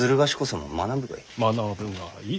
学ぶがいい。